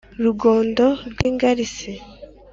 Rugondo rw' ingarisi;